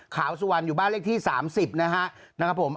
ขาวสุวรรณอยู่บ้านเลขที่๓๐นะครับผม